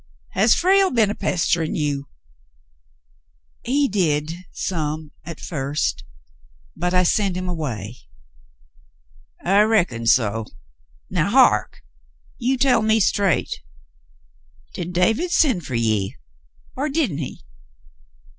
Has Frale been a pesterin' you ?" He did — some — at first ; but I sent him away." "I reckoned so. Now heark. You tell me straight, did David send fer ye, er didn't he